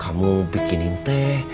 kamu bikinin teh